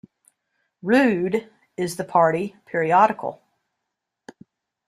"Rood" is the party periodical.